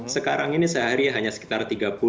sekarang ini sehari hanya sekitar tiga puluh